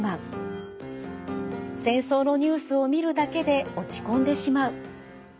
戦争のニュースを見るだけで落ち込んでしまう。